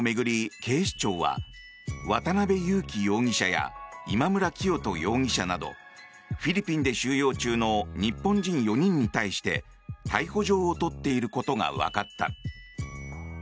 警視庁は渡邉優樹容疑者や今村磨人容疑者などフィリピンで収容中の日本人４人に対して逮捕状を取っていることがわかった。